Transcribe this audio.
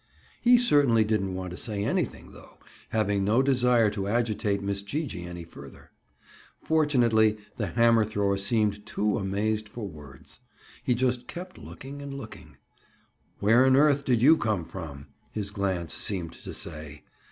He certainly didn't want to say anything though, having no desire to agitate Miss Gee gee any further. Fortunately, the hammer thrower seemed too amazed for words. He just kept looking and looking. "Where on earth did you come from?" his glance seemed to say.